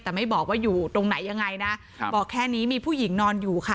แต่ไม่บอกว่าอยู่ตรงไหนยังไงนะครับบอกแค่นี้มีผู้หญิงนอนอยู่ค่ะ